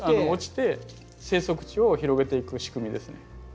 落ちて生息地を広げていく仕組みですね。